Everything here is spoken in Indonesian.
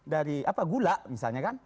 dari gula misalnya kan